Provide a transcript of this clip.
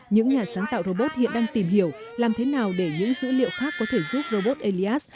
những nhà sáng tạo robot hiện đang tìm hiểu làm thế nào để những dữ liệu khác có thể giúp robot ellias